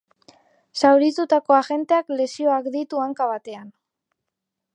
Zauritutako agenteak lesioak ditu hanka batean.